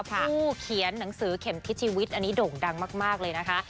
ผู้เขียนหนังสือเข็มทิศชีวิตอันนี้โด่งดังมากเลยนะคะ